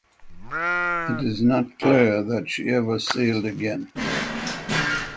It is not clear that she ever sailed again.